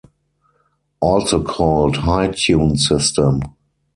Also called High Tune System.